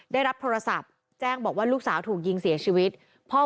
ได้รับโทรศัพท์แจ้งบอกว่าลูกสาวถูกยิงเสียชีวิตพ่อ